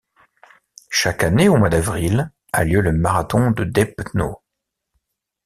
Chaque année au mois d'avril a lieu le marathon de Dębno.